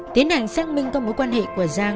tiến hành xác minh các mối quan hệ của giang